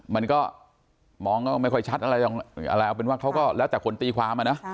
มันก็มองก็ไม่ค่อยชัดอะไรเอาเป็นว่าเขาก็แล้วแต่คนตีความอะนะ